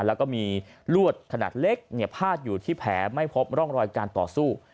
แล้วก็มีลวดขนาดเล็กพาดอยู่ที่แผลไม่พบร่องรอยการต่อสู้